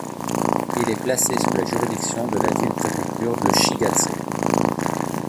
Il est placé sous la juridiction de la ville-préfecture de Shigatsé.